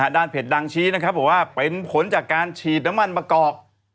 ด้านเพจดังชี้นะครับบอกว่าเป็นผลจากการฉีดน้ำมันมะกอก